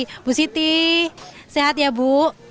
ibu siti sehat ya bu